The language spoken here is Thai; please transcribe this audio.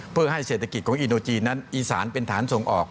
เพื่อให้เศรษฐกิจของอินโดจีนนั้นอีสานเป็นฐานส่งออก